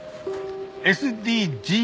ＳＤＧｓ。